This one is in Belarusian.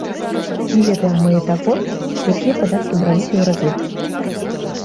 Не ведаем мы і таго, якія падаткі браліся ў разлік.